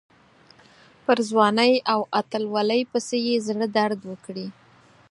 پر ځوانۍ او اتلولۍ پسې یې زړه درد وکړي.